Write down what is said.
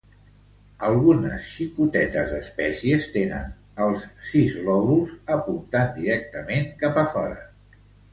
Algunes xicotetes espècies tenen els sis lòbuls apuntant directament cap a fora.